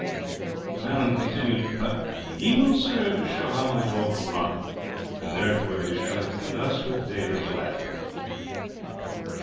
] But he will serve to show how my dogs run; and therefore they shall attend us with David Gellatley.'